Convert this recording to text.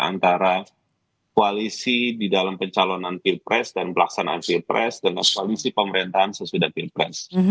antara koalisi di dalam pencalonan pilpres dan pelaksanaan pilpres dengan koalisi pemerintahan sesudah pilpres